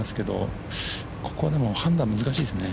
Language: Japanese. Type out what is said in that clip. ここは、でも判断難しいですね。